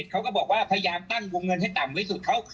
เขาก็บอกว่าพยายามตั้งวงเงินให้ต่ำที่สุด